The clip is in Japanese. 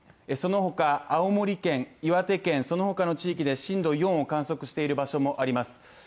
そのほか、青森県、岩手県、そのほかの地域で震度４を観測している場所もあります。